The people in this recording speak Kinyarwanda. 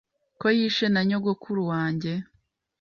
ko yishe na nyogukuru wange